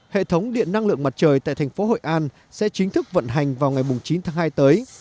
hệ thống điện năng lượng mặt trời tại thành phố hội an sẽ chính thức vận hành vào ngày chín tháng hai tới